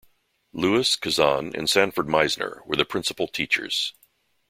Lewis, Kazan and Sanford Meisner were the principal teachers.